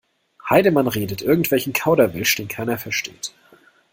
Heidemann redet irgendwelchen Kauderwelsch, den keiner versteht.